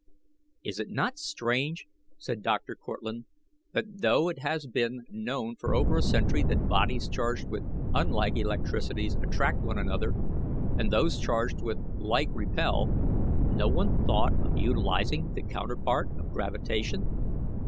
"Is it not strange," said Dr. Cortlandt, "that though it has been known for over a century that bodies charged with unlike electricities attract one another, and those charged with like repel, no one thought of utilizing the counterpart of gravitation?